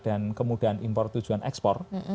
dan kemudian impor tujuan ekspor